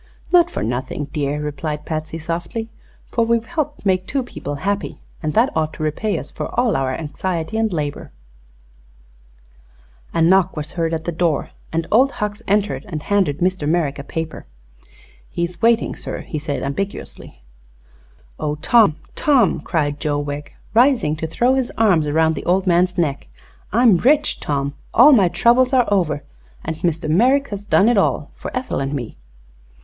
"Not for nothing, dear," replied Patsy, softly, "for we've helped make two people happy, and that ought to repay us for all our anxiety and labor." A knock was heard at the door, and Old Hucks entered and handed Mr. Merrick a paper. "He's waiting, sir," said he, ambiguously. "Oh, Tom Tom!" cried Joe Wegg, rising to throw his arms around the old man's neck, "I'm rich, Tom all my troubles are over and Mr. Merrick has done it all for Ethel and me!"